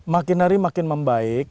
makin hari makin membaik